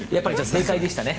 正解でしたね。